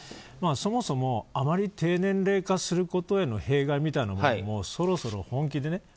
そもそもあまり低年齢化することへの弊害みたいなものもそろそろ本気で。